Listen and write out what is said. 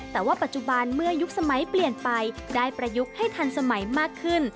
แต่ว่าปัจจุบันเมื่อยุคสมัยเปลี่ยนไปได้ประยุกต์ให้ทันสมัยมากขึ้น